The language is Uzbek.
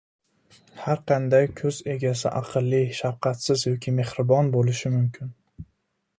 Har qanday ko'z egasi aqlli, shafqatsiz yoki mehribon bo'lishi mumkin.